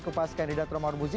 kupas kandidat romar muzi